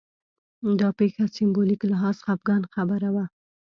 دا پېښه سېمبولیک لحاظ خپګان خبره وه